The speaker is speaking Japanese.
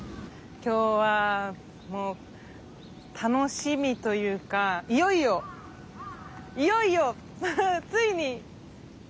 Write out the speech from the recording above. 今日はもう楽しみというかいよいよいよいよついに！